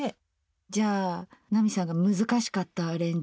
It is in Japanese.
じゃあ奈美さんが難しかったアレンジ。